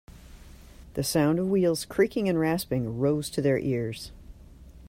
The sound of wheels creaking and rasping rose to their ears.